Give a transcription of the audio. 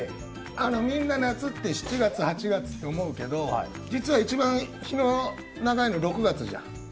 みんな夏って７月８月って思うけど、実は一番日の長いのは６月じゃん。